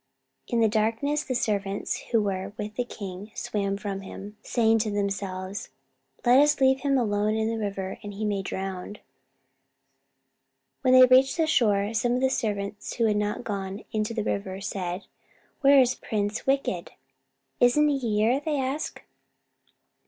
In the darkness the servants who were with the prince swam from him, saying to themselves, "Let us leave him alone in the river, and he may drown." When they reached the shore, some of the servants who had not gone into the river said, "Where is Prince Wicked?" "Isn't he here?" they asked.